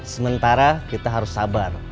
sementara kita harus sabar